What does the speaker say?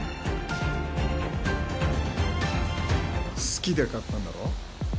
好きで買ったんだろ。